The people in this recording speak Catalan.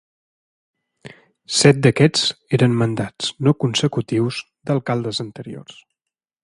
Set d'aquests eren mandats no consecutius d'alcaldes anteriors.